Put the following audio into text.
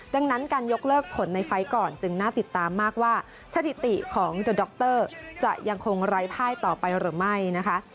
ดังนั้นการยกเลิกผลในไฟล์ก่อนจึงน่าติดตามมากว่าสถิติของเจ้าดรจะยังคงไร้ภายต่อไปหรือไม่นะคะ